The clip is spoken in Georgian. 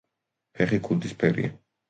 ფეხი ქუდის ფერია.